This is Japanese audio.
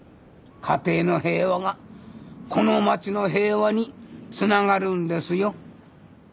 家庭の平和がこの町の平和に繋がるんですよ。